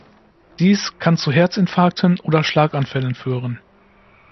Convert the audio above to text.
Dies kann zu Herzinfarkten oder Schlaganfällen führen.